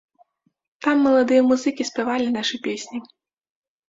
Там маладыя музыкі спявалі нашы песні.